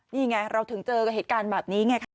นี่ไงเราถึงเจอกับเหตุการณ์แบบนี้ไงคะ